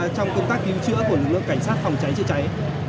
trong công tác cứu chữa của lực lượng cảnh sát phòng cháy chữa cháy